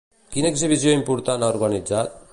Quina exhibició important ha organitzat?